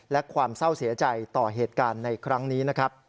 และความเสียใจเต่าเหตุการณ์ในครั้งนี้